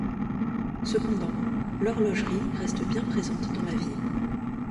Cependant, l'horlogerie reste bien présente dans la ville.